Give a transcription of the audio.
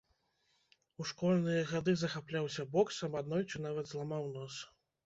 У школьныя гады захапляўся боксам, аднойчы нават зламаў нос.